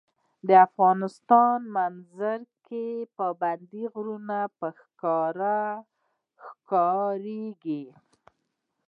د افغانستان په منظره کې پابندي غرونه په ښکاره ښکاري.